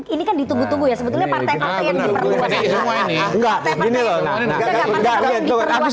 ini kan ditunggu tunggu ya sebetulnya partai partai yang diperlukan